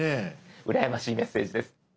うらやましいメッセージです。